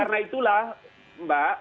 karena itulah mbak